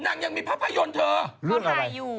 นางยังมีภาพยนตร์เถอะเข้าถ่ายอยู่